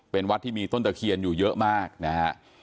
เป็นวัดที่มีต้นตะเคียนอยู่เยอะมากนะฮะ